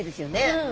うん。